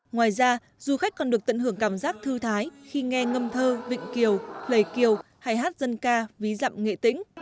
ngoài ra du khách còn được tận hưởng cảm giác thư thái khi nghe ngâm thơ vịnh kiều lề kiều hay hát dân ca ví dặm nghệ tĩnh